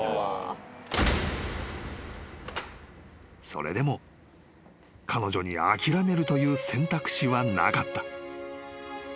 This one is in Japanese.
［それでも彼女に諦めるという選択肢はなかった］